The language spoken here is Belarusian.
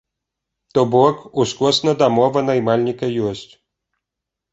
То бок, ускосна дамова наймальніка ёсць.